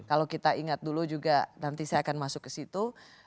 kalau kita ingat dulu juga nanti saya akan masuk ke situ